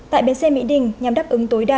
tại bến xe mỹ đình nhằm đáp ứng tối đa